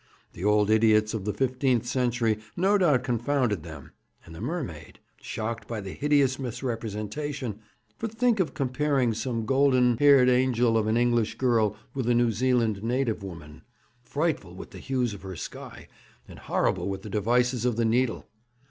The old idiots of the fifteenth century no doubt confounded them; and the mermaid, shocked by the hideous misrepresentation for think of comparing some golden haired angel of an English girl with a New Zealand native woman, frightful with the hues of her sky, and horrible with devices of the needle!